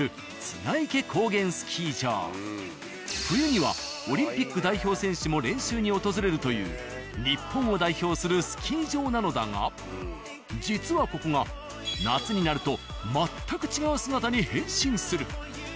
冬にはオリンピック代表選手も練習に訪れるという日本を代表するスキー場なのだが実はここが夏になると全く違う姿に変身する。